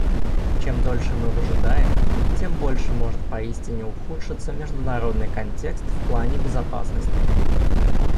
Чем дольше мы выжидаем, тем больше может поистине ухудшиться международный контекст в плане безопасности.